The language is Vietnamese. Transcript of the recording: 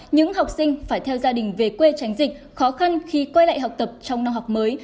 những học sinh phải theo gia đình về quê tránh dịch khó khăn khi quay lại học tập trong năm học mới